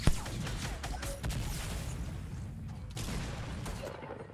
gangrape मामले पर बोले डॉक्टर, इंसान नहीं कर सकते ऐसा काम